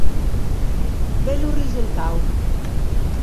Bellu resurtadu.